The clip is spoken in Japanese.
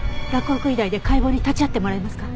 洛北医大で解剖に立ち会ってもらえますか？